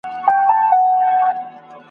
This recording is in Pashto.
له ډېره وخته تعویذونه لیکي !.